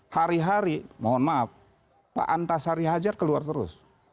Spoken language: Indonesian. hari hari mohon maaf pak antasari hajar keluar terus